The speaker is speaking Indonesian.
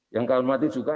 yang kami hormati juga